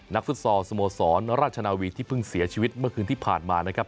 นักศุษย์สมสรรค์ราชนาวิทย์ที่เพิ่งเสียชีวิตเมื่อคืนที่ผ่านมานะครับ